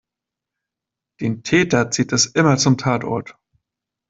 Den Täter zieht es immer zum Tatort.